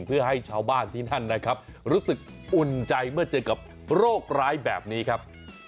เพื่อให้ชาวบ้านที่นั่นนะครับรู้สึกอุ่นใจเมื่อเจอกับโรคร้ายแบบนี้ครับ